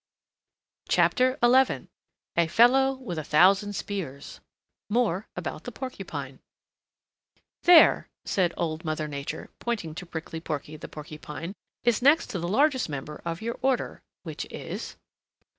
CHAPTER XI A Fellow With a Thousand Spears "There," said Old Mother Nature, pointing to Prickly Porky the Porcupine, "is next to the largest member of your order, which is?"